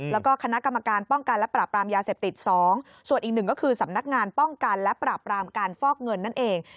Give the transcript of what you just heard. แล้วก็คณะกรรมการป้องกันและปราบรามยาเสพติด๒ส่วนอีกหนึ่งก็คือสำนักงานป้องกันและปราบรามการฟอกเงินนั่นเอง